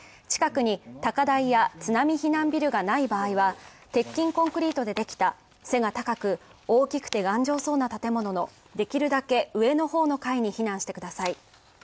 近くに高台や津波避難ビルがない場合は、鉄筋コンクリートでできた背が高く大きくて頑丈そうな建物のできるだけ上の方の階に避難してください